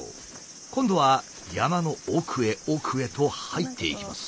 今度は山の奥へ奥へと入っていきます。